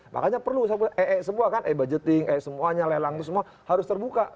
makanya perlu semua kan ee budgeting ee semuanya lelang itu semua harus terbuka